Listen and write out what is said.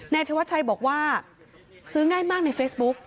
ธวัชชัยบอกว่าซื้อง่ายมากในเฟซบุ๊ก